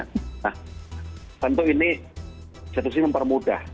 nah tentu ini institusi mempermudah